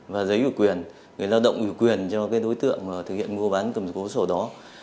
và giấy ủy quyền người lao động ủy quyền cho cái đối tượng thực hiện mua bán cầm số sổ đó